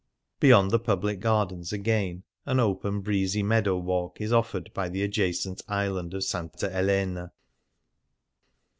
Beyond the Public Gardens, again, an open breezy meadow walk is offered by the adjacent island of S. Elena.